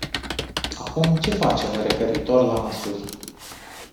Acum ce facem referitor la măsuri?